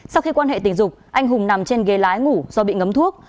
sau khi quan hệ tình dục anh hùng nằm trên ghế lái ngủ do bị ngấm thuốc